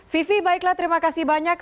vivi baiklah terima kasih banyak